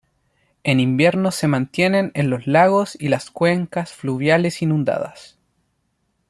En invierno se mantienen en los lagos y las cuencas fluviales inundadas.